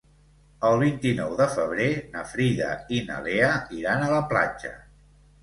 El vint-i-nou de febrer na Frida i na Lea iran a la platja.